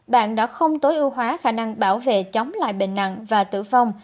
bạn đã không tối ưu hóa khả năng bảo vệ chống lại bệnh nặng và tử vong